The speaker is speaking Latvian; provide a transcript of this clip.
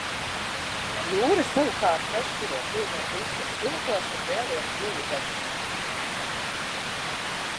Jūra savukārt nešķiro, pieņem visu – sīkos un lielos ūdeņus.